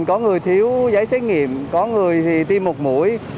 có người thiếu giấy xét nghiệm có người thì tiêm một mũi